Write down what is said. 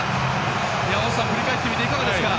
山本さん、振り返っていかがですか。